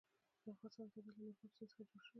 د افغانستان طبیعت له مورغاب سیند څخه جوړ شوی دی.